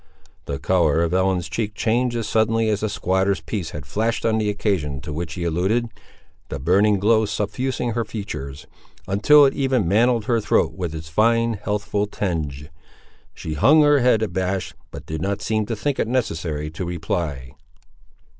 The colour of Ellen's cheek changed as suddenly as the squatter's piece had flashed on the occasion to which he alluded, the burning glow suffusing her features, until it even mantled her throat with its fine healthful tinge. She hung her head abashed, but did not seem to think it necessary to reply.